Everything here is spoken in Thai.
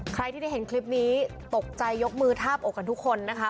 ใครที่ได้เห็นคลิปนี้ตกใจยกมือทาบอกกันทุกคนนะคะ